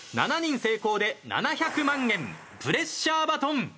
７人成功で７００万円プレッシャーバトン。